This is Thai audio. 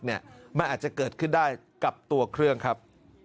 มันอาจจะเกิดขึ้นได้กับตัวเครื่องครับ